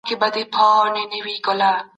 له یوه کوهي را وزي بل ته لوېږي